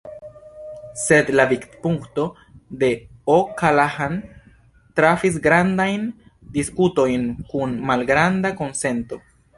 Sed la vidpunkto de O’Callaghan trafis grandajn diskutojn kun malgranda konsento.